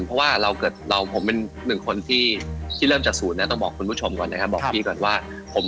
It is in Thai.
เพราะว่าผมเป็น๑คนที่เริ่มจากศูนย์นะต้องบอกคุณผู้ชมก่อนนะครับ